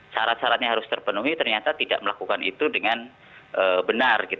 syarat syaratnya harus terpenuhi ternyata tidak melakukan itu dengan benar